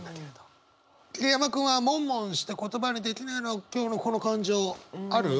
桐山君は悶悶して言葉にできないな今日のこの感情ある？